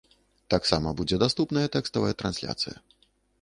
Таксама будзе даступная тэкставая трансляцыя.